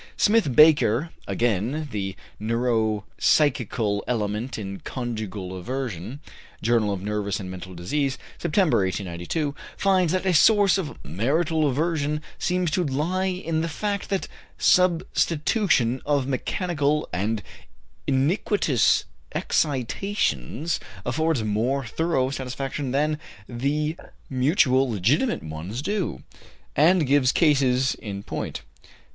Smith Baker, again ("The Neuropsychical Element in Conjugal Aversion," Journal of Nervous and Mental Disease, September, 1892), finds that a "source of marital aversion seems to lie in the fact that substitution of mechanical and iniquitous excitations affords more thorough satisfaction than the mutual legitimate ones do," and gives cases in point.